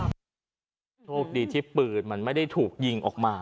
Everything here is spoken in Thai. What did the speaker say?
โชคดีที่ปืนมันไม่ได้ถูกยิงออกมา